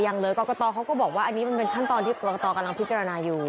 ยังเลยกรกตเขาก็บอกว่าอันนี้มันเป็นขั้นตอนที่กรกตกำลังพิจารณาอยู่